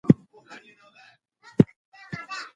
آیا ته کولای سې ما ته لاره وښیې؟